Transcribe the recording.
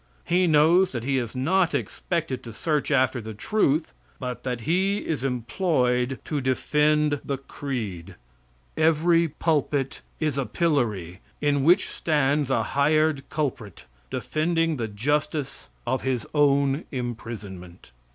He knows that he is not expected to search after the truth, but that he is employed to defend the creed. Every pulpit is a pillory in which stands a hired culprit, defending the justice of his own imprisonment.